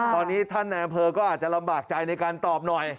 ตอนนี้ท่านนายอำเภอก็อาจจะลำบากใจในการตอบหน่อย